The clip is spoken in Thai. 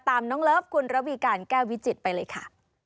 ตามน้องเลิฟคุณระวีการแก้ววิจิตไปเลยค่ะ